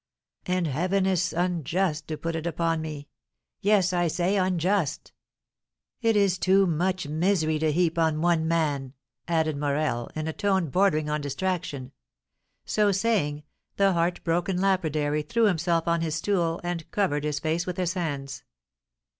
And Heaven is unjust to put it upon me, yes, I say unjust! It is too much misery to heap on one man," added Morel, in a tone bordering on distraction. So saying, the heart broken lapidary threw himself on his stool, and covered his face with his hands.